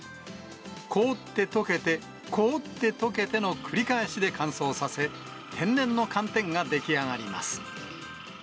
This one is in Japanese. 凍って溶けて、凍ってとけての繰り返しで乾燥させ、天然の寒天が出来上がります。